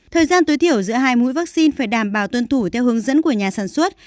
thời gian tối thiểu giữa hai mũi vaccine phải đảm bảo tuân thủ theo hướng dẫn của nhà sản xuất